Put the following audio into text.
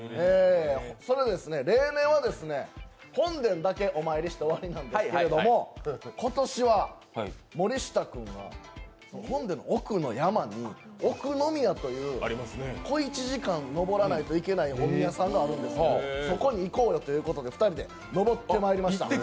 例年は本殿だけお参りして終わりなんですけれども今年は森下君は、本殿の奥の山に奥宮という小一時間登らないと行けないお宮さんがあるんですけどそこに行こうよということで２人で登ってまいりました。